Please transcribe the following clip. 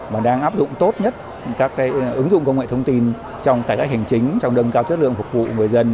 mà đang áp dụng tốt nhất các cái ứng dụng công nghệ thông tin trong tài cách hành chính trong đơn cao chất lượng phục vụ người dân